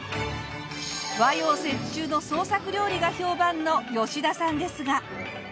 和洋折衷の創作料理が評判の吉田さんですが。